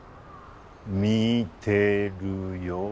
見てるよ。